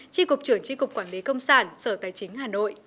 tri cục trưởng tri cục quản lý công sản sở tài chính hà nội